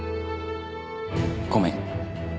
ごめん。